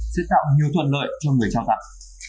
sẽ tạo nhiều thuận lợi cho người trao tặng